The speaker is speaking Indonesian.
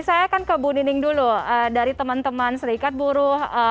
saya akan ke bu nining dulu dari teman teman serikat buruh